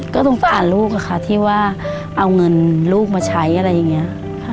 ก็ต้องฝากลูกค่ะที่ว่าเอาเงินลูกมาใช้อะไรอย่างนี้